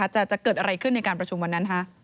จะเกิดอะไรขึ้นในการประชุมวันนั้น